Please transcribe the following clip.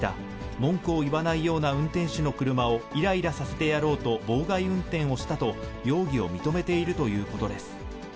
文句を言わないような運転手の車を、いらいらさせてやろうと妨害運転をしたと、容疑を認めているということです。